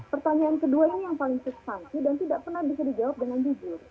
pertanyaan kedua ini yang paling substansi dan tidak pernah bisa dijawab dengan jujur